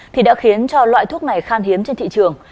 thì đã khiến cho loại thuốc này khan hiếm trên thị trường